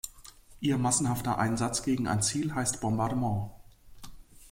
Ihr massenhafter Einsatz gegen ein Ziel heißt Bombardement.